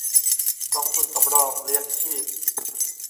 กองทุนสำรองเลี้ยงชีพ